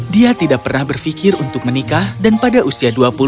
dia tidak pernah berpikir untuk menikah dan pada usia dua puluh tahun